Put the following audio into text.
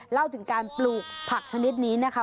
เล่าถึงการปลูกผักชนิดนี้นะคะ